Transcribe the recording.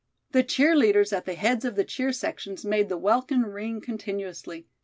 The cheer leaders at the heads of the cheer sections made the welkin ring continuously.